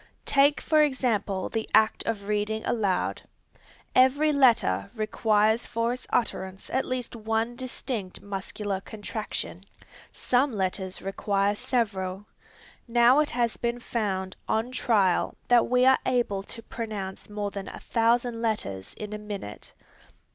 Take for example the act of reading aloud. Every letter requires for its utterance at least one distinct muscular contraction. Some letters require several. Now it has been found on trial that we are able to pronounce more than a thousand letters in a minute.